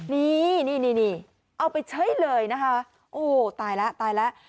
นี่เอาไปเช่นเลยโอ้ตายแล้วตายแล้ว